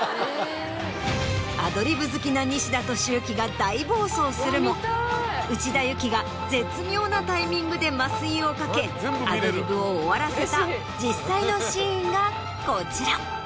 アドリブ好きな西田敏行が大暴走するも内田有紀が絶妙なタイミングで麻酔をかけアドリブを終わらせた実際のシーンがこちら。